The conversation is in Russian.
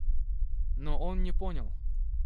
Но он не понял.